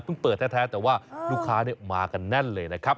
เปิดแท้แต่ว่าลูกค้ามากันแน่นเลยนะครับ